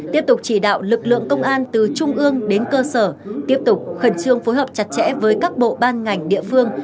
tiếp tục chỉ đạo lực lượng công an từ trung ương đến cơ sở tiếp tục khẩn trương phối hợp chặt chẽ với các bộ ban ngành địa phương